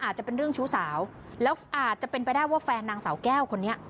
อาจจะเป็นเรื่องชู้สาวแล้วอาจจะเป็นไปได้ว่าแฟนนางสาวแก้วคนนี้